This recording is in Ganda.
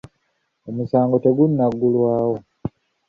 Omusango tegunaggalwawo.